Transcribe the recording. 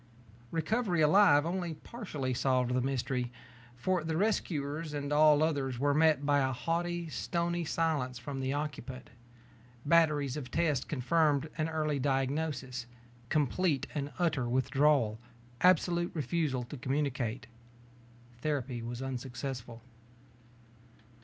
Recovery alive only partially solved the mystery, for the rescuers and all others were met by a haughty, stony silence from the occupant. Batteries of tests confirmed an early diagnosis: complete and utter withdrawal; absolute refusal to communicate. Therapy was unsuccessful.